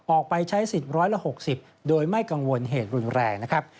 ออกไปใช้สิทธิ์๑๖๐โดยไม่กังวลเหตุรุนแรงนะครับ